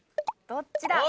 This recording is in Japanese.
どっちだ？